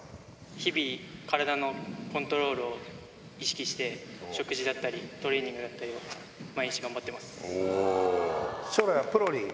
日々体のコントロールを意識して、食事だったり、トレーニン将来はプロに？